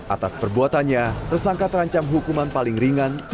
atas perbuatannya tersangka terancam hukuman paling ringan